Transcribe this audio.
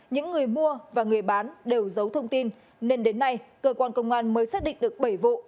những người mua và người bán đều giấu thông tin nên đến nay cơ quan công an mới xác định được bảy vụ